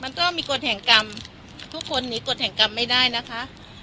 มันต้องมีกฎแห่งกรรมทุกคนหนีกฎแห่งกรรมไม่ได้นะคะ